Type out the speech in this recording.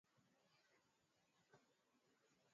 ili kudajili jinsi ya kuinua uchumi wa nchi hiyo